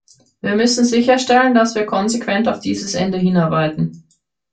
Wir müssen sicherstellen, dass wir konsequent auf dieses Ende hinarbeiten.